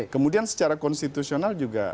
kemudian secara konstitusional juga